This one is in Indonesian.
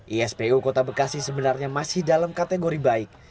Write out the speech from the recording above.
ispu kota bekasi sebenarnya masih dalam kategori baik